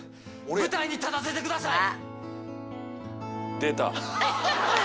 舞台に立たせてください！